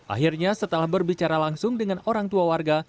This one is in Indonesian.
akhirnya setelah berbicara langsung dengan orang tua warga